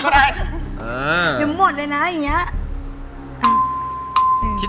เดี๋ยวหมดได้นะอย่างเงี้ย